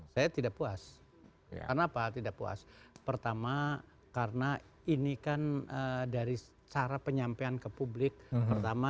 saya tidak puas kenapa tidak puas pertama karena ini kan dari cara penyampaian ke publik pertama